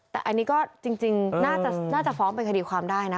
แต่อันนี้ก็จริงน่าจะฟ้องเป็นคดีความได้นะ